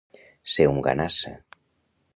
Ser un ganassa.